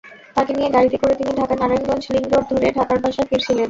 তাঁকে নিয়ে গাড়িতে করে তিনি ঢাকা-নারায়ণগঞ্জ লিংক রোড ধরে ঢাকার বাসায় ফিরছিলেন।